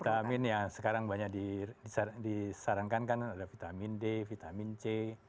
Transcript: vitamin yang sekarang banyak disarankan kan ada vitamin d vitamin c